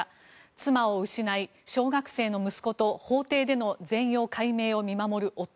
妻を失い小学生の息子と法廷での全容解明を見守る夫。